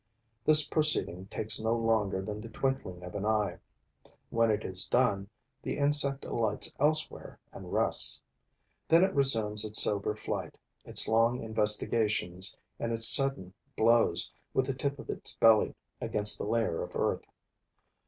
This proceeding takes no longer than the twinkling of an eye. When it is done, the insect alights elsewhere and rests. Then it resumes its sober flight, its long investigations and its sudden blows with the tip of its belly against the layer of earth.